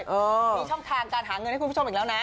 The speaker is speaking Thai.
มีช่องทางการหาเงินให้คุณผู้ชมอีกแล้วนะ